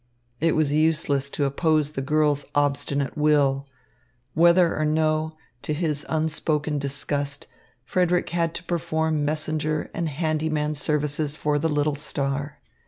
It was useless to oppose the girl's obstinate will. Whether or no, to his unspoken disgust, Frederick had to perform messenger and handy man services for the little star.